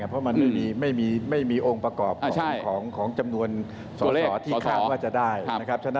เพราะมันไม่มีโองประกอบของจำนวน